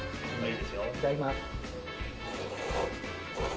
いただきます。